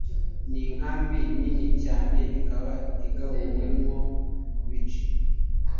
Ni inkambi nini cyane ikaba igabuyemwo mu bice